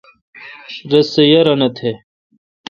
رس سہ یارانو تھ۔